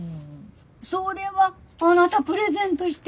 それはあなたプレゼントしてよ